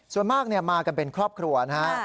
ส่วนมากมากันเป็นครอบครัวนะฮะ